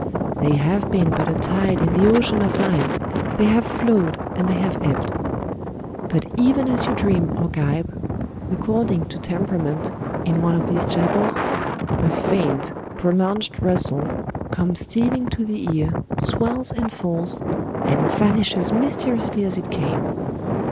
They have been but a tide in the ocean of life, they have flowed and they have ebbed. But even as you dream or gibe, according to tempera ment, in one of these chapels, a faint, prolonged rustle comes stealing to the ear, swells and falls, and vanishes mysteriously as it came.